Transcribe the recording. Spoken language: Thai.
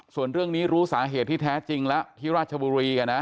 ส่วนเรื่องนี้รู้สาเหตุที่แท้จริงแล้วที่ราชบุรี